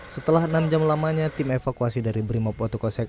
setelah enam jam lamanya tim evakuasi dari brimob watukosek